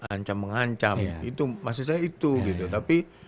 ancam mengancam itu maksud saya itu gitu tapi